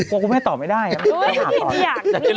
มาจากการทำงานไม่เกี่ยวทำงาน